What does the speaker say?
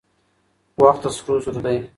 وخت د سرو زرو دی.